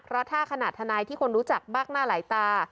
เพราะถ้าขนาดทนายที่คนรู้จักมากหน้าหลายตา